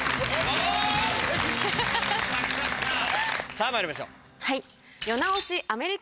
さぁまいりましょう。